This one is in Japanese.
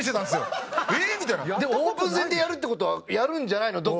でもオープン戦でやるって事はやるんじゃないの？